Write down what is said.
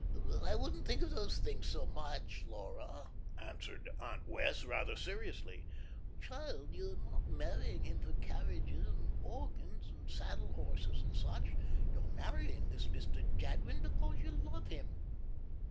"But I wouldn't think of those things so much, Laura," answered Aunt Wess', rather seriously. "Child, you are not marrying him for carriages and organs and saddle horses and such. You're marrying this Mr. Jadwin because you love him.